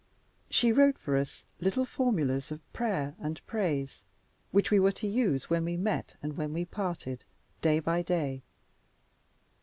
She wrote for us little formulas of prayer and praise, which we were to use when we met and when we parted, day by day.